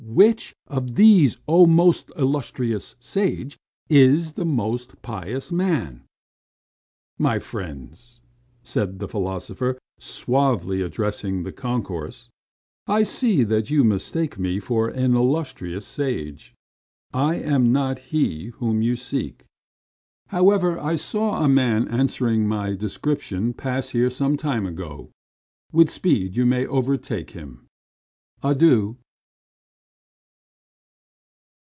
"Which of these, oh, most illustrious sage, is the more pious man?" "My friends," said the philosopher suavely addressing the concourse, "I see that you mistake me for an illustrious sage. I am not he whom you seek. However, I saw a man answering my description pass here some time ago. With speed you may overtake him. Adieu."